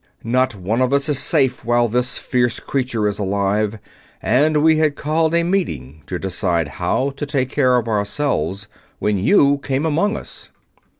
Not one of us is safe while this fierce creature is alive, and we had called a meeting to decide how to take care of ourselves when you came among us."